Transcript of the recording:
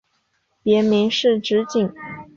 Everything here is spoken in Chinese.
别名是直景。